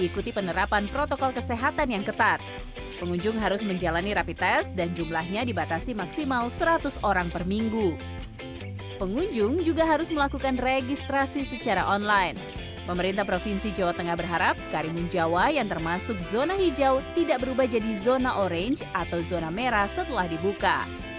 zona hijau tidak berubah jadi zona orange atau zona merah setelah dibuka